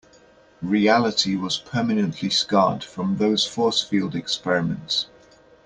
Reality was permanently scarred from those force field experiments.